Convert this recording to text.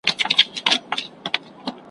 د سیالانو په ټولۍ کي قافلې روانومه ,